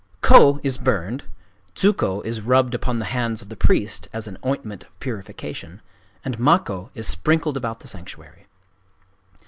Kō is burned; dzukō is rubbed upon the hands of the priest as an ointment of purification; and makkō is sprinkled about the sanctuary.